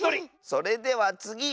それではつぎ！